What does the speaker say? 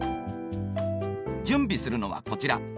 準備するのはこちら。